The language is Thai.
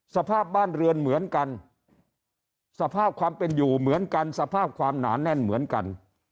สภาพบ้านเรือนเหมือนกันสภาพความเป็นอยู่เหมือนกันสภาพความหนาแน่นเหมือนกัน